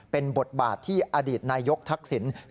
เป็นบทบาทที่อดีตนายกทักษิณ